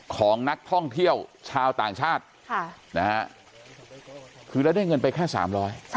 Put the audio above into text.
ของนักท่องเที่ยวชาวต่างชาติค่ะนะฮะคือแล้วได้เงินไปแค่สามร้อย